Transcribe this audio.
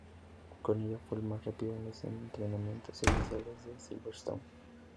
Con ella, fue el más rápido en los entrenamientos oficiales de Silverstone.